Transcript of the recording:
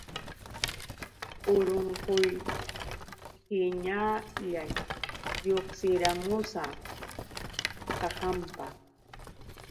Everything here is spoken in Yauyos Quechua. Urunquyhiñallash lluqsiramusa kahanpa.